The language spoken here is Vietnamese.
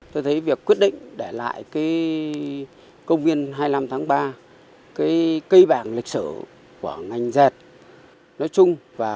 tôi thấy việc quyết định để lại công viên hai mươi năm tháng ba cây bằng lịch sử của ngành dệt nói chung và